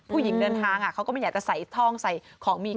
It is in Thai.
ผู้หญิงเดินทางเขาก็ไม่อยากจะใส่ท่องใส่ของมี